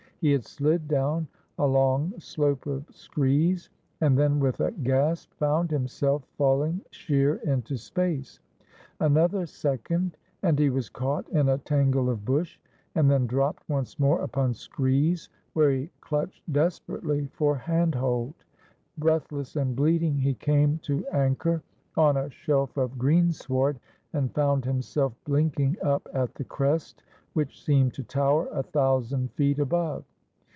He had slid down a long slope of screes, and then with a gasp found himself falling sheer into space. Another second, and he was caught in a tangle of bush, and then dropped once more upon screes, where he clutched desperately for handhold. Breathless and bleeding, he came to anchor on a shelf of greensward, and found himself blink ing up at the crest, which seemed to tower a thousand feet above.